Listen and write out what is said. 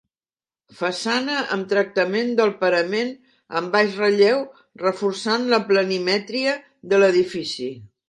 Façana amb tractament del parament en baix relleu reforçant la planimetria de l'edifici.